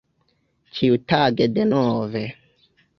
Ĉiutage denove?